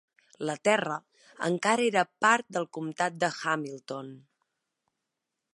La terra encara era part del comtat de Hamilton.